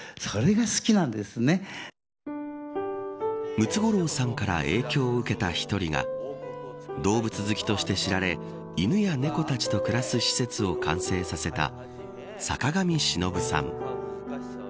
ムツゴロウさんから影響を受けた１人が動物好きとして知られ犬や猫たちと暮らす施設を完成させた坂上忍さん。